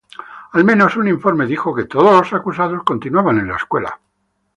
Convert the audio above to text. Al menos un informe dijo que todos los acusados continuaban en la escuela.